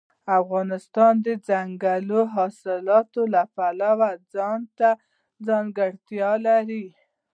افغانستان د دځنګل حاصلات د پلوه ځانته ځانګړتیا لري.